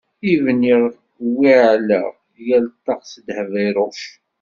I bniɣ wi ɛellaɣ, yal ṭṭaq s dheb iruc.